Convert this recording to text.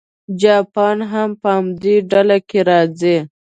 جاپان هم په همدې ډله کې راځي.